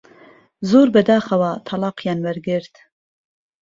زۆر بەداخەوە تەڵاقیان وەرگرت